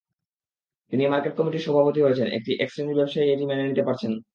তিনি মার্কেট কমিটির সভাপতি হয়েছেন, এটা একশ্রেণির ব্যবসায়ী মেনে নিতে পারছেন না।